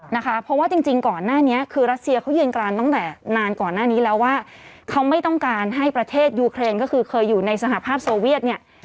นานก่อนหน้านี้แล้วว่าเขาไม่ต้องการให้ประเทศยูเครนก็คือเคยอยู่ในสหภาพโซเวียตเนี่ย